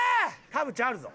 田渕あるぞ。